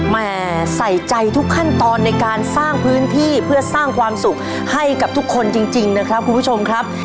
แม่ใส่ใจทุกขั้นตอนในการสร้างพื้นที่เพื่อสร้างความสุขให้กับทุกคนจริงนะครับคุณผู้ชมครับ